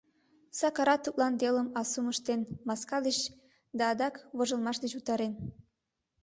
Сакарат тудлан телым асум ыштен: маска деч да адак вожылмаш деч утарен.